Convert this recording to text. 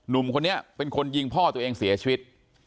หนุ่มคนนี้เป็นคนยิงพ่อตัวเองเสียชีวิต